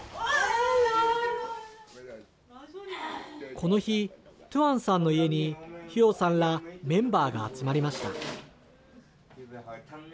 この日、トゥアンさんの家にヒヨウさんらメンバーが集まりました。